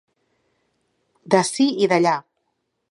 D'ací i d'allà.